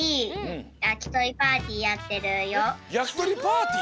やきとりパーティー！？